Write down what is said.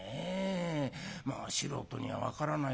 まあ素人には分からないけどもさ。